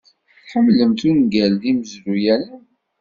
Tḥemmlemt ungalen imezruyanen?